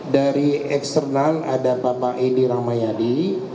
dari eksternal ada bapak edi rahmayadi